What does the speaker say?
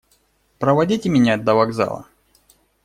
Проводите меня до вокзала.